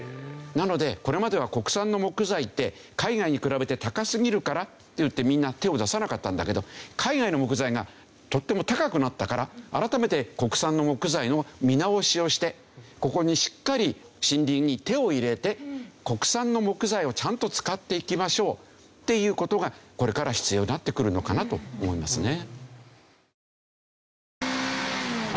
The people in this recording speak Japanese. なのでこれまでは国産の木材って海外に比べて高すぎるからっていってみんな手を出さなかったんだけど海外の木材がとっても高くなったから改めて国産の木材の見直しをしてここにしっかり森林に手を入れて国産の木材をちゃんと使っていきましょうっていう事がこれから必要になってくるのかなと思いますね。